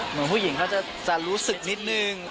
เหมือนผู้หญิงเขาจะรู้สึกนิดนึง